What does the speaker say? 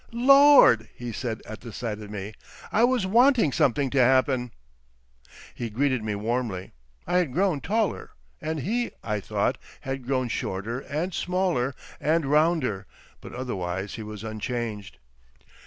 "Lord!" he said at the sight of me, "I was wanting something to happen!" He greeted me warmly. I had grown taller, and he, I thought, had grown shorter and smaller and rounder but otherwise he was unchanged.